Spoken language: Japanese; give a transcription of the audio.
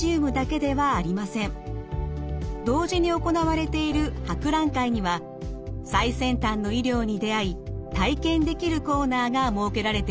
同時に行われている博覧会には最先端の医療に出会い体験できるコーナーが設けられています。